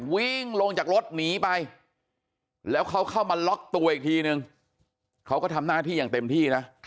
วิ่งลงจากรถหนีไปแล้วเขาเข้ามาล็อกตัวอีกทีนึงเขาก็ทำหน้าที่อย่างเต็มที่นะ